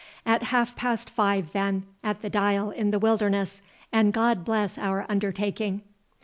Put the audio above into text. At half past five, then, at the dial in the wilderness—and God bless our undertaking!"